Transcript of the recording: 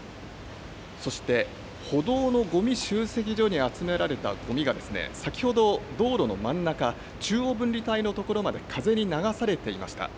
そして、歩道のごみ集積所に集められたごみが先ほど道路の真ん中、中央分離帯の所まで風に流されていました。